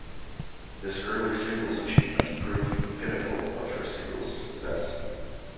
This early singles achievement proved the pinnacle of her singles success.